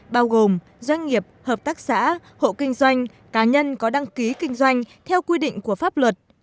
bao gồm doanh nghiệp hợp tác xã hộ kinh doanh cá nhân có đăng ký kinh doanh theo quy định của pháp luật